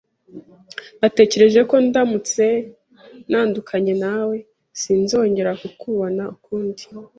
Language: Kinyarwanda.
Natekereje ko ndamutse ntandukanye nawe, sinzongera kukubona ukundi.